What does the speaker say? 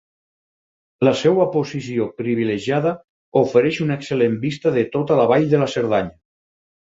La seva posició privilegiada ofereix una excel·lent vista de tota la vall de la Cerdanya.